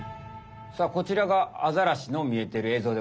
さあこちらがアザラシの見えてるえ